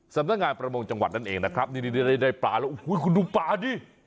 สำนักงานประมงจังหวัดนั่นเองนะครับนี่นี่ได้ได้ได้ปลาแล้วอุ้ยคุณดูปลานี่